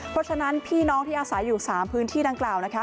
เพราะฉะนั้นพี่น้องที่อาศัยอยู่๓พื้นที่ดังกล่าวนะคะ